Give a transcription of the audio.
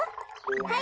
はい。